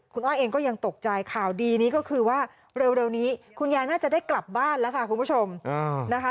คุณอ้อยเองก็ยังตกใจข่าวดีนี้ก็คือว่าเร็วนี้คุณยายน่าจะได้กลับบ้านแล้วค่ะคุณผู้ชมนะคะ